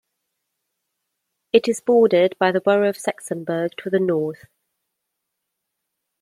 It is bordered by the borough of Saxonburg to the north.